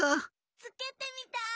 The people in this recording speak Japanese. つけてみたい！